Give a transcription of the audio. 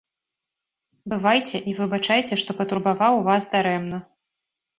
Бывайце і выбачайце, што патурбаваў вас дарэмна.